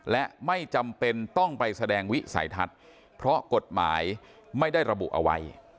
และไม่จำเป็นต้องไปแสดงวิสัยทัศน์เพราะกฎหมายไม่ได้ระบุเอาไว้